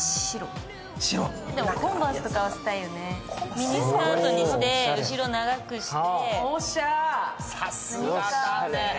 ミニスカートにして、後ろ長くして。